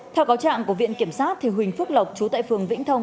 theo cáo trạng của viện kiểm sát huỳnh phước lộc chú tại phường vĩnh thông